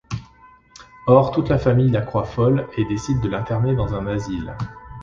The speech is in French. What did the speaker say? Or, toute la famille la croit folle et décide de l'interner dans un asile.